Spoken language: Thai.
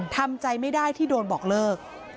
ทำใจไม่ได้ที่โดนบอกเลิก